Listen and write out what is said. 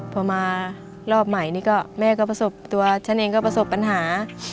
พอมารอบใหม่นี่ก็แม่ก็ประสบตัวฉันเองก็ประสบปัญหา